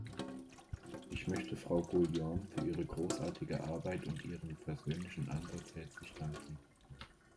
Ich möchte Frau Guillaume für ihre großartige Arbeit und ihren versöhnlichen Ansatz herzlich danken.